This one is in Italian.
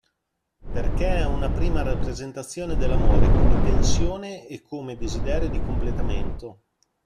Perché è una prima rappresentazione dell'amore come tensione e come desiderio di completamento.